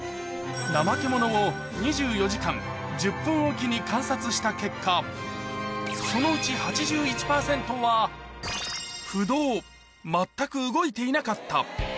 ナマケモノを２４時間１０分置きに観察した結果、そのうち８１％は不動、全く動いていなかった。